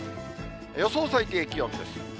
予想最低気温です。